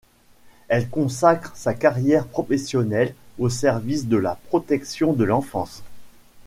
Elle consacre sa carrière professionnelle au service de la protection de l'enfance.